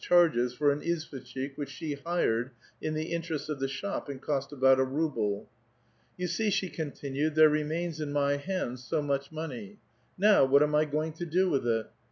chai ges for au izvosJicJiik^ which she hked in the interests of the bliop, and cost about a ruble. ." You see," she continued, '' there remains in m}' hands so much money. Now what am I goiug to do with it?